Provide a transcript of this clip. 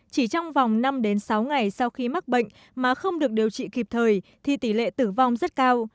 chỉ trong vòng năm đến sáu ngày sau khi mắc bệnh mà không được điều trị kịp thời thì tỷ lệ tử vong rất cao